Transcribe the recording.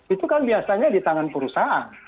itu kan biasanya di tangan perusahaan